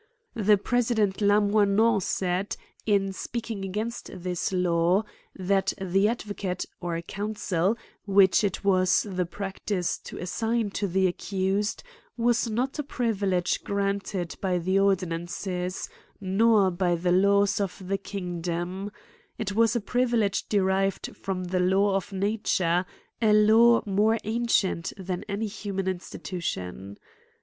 The president Lamoignon said, in speaking a gainst this law, *' that the advocate, or counsel, which it was the practice to assign to the accused, was not a privilege granted by the ordinances, nor by the laws of the kingdom — it was a privilege derived from the law of nature, a law more an. cieiit than any human institution.